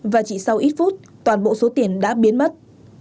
và chỉ sau ít phút toàn bộ số tiền đã biến mất